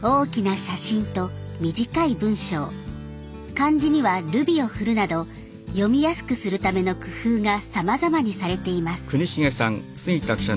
漢字にはルビを振るなど読みやすくするための工夫がさまざまにされています。